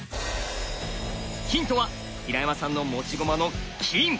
ヒントは平山さんの持ち駒の金！